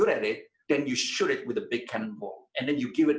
dan anda memberikannya dengan sebaik mungkin